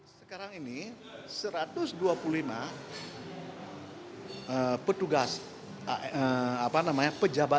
sekarang ini satu ratus dua puluh lima petugas apa namanya pejabat di bpn itu